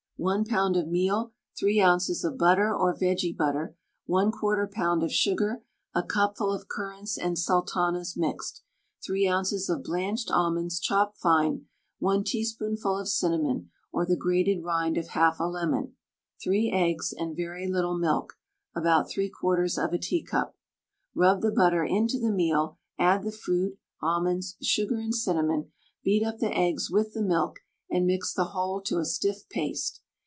1 lb. of meal, 3 oz. of butter or vege butter, 1/4 lb. of sugar, a cupful of currants and sultanas mixed, 3 oz. of blanched almonds, chopped fine, 1 teaspoonful of cinnamon, or the grated rind of half a lemon, 3 eggs, and very little milk (about 3/4 of a teacup). Rub the butter into the meal, add the fruit, almonds, sugar, and cinnamon, beat up the eggs with the milk, and mix the whole to a stiff paste.